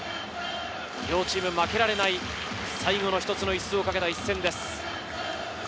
両チーム負けられない最後の一つのイスを懸けた一戦です。